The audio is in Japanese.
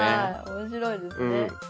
面白いですね。